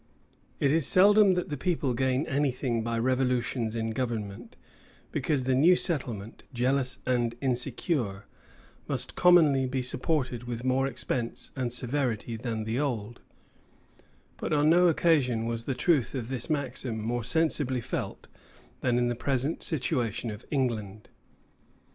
It is seldom that the people gain any thing by revolutions in government; because the new settlement, jealous and insecure, must commonly be supported with more expense and severity than the old: but on no occasion was the truth of this maxim more sensibly felt, than in the present situation of England.